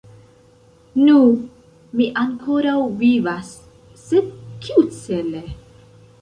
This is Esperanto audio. Nu, mi ankoraŭ vivas, sed kiucele?